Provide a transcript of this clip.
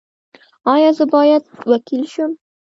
ایا زه باید وکیل شم؟